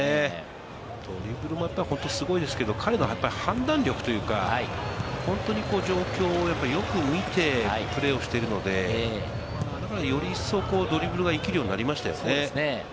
ドリブルもすごいですけれども、彼の判断力、本当に状況をよく見て、プレーをしているので、だからより一層ドリブルができるようになりましたよね。